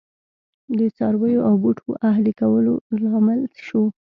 د څارویو او بوټو اهلي کولو لامل شو